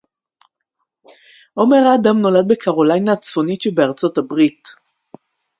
עומר אדם נולד בקרוליינה הצפונית שבארצות הברית